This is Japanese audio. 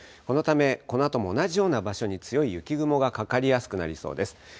このためこのあとも同じような場所に強い雪雲がかかりやすくなりそうです。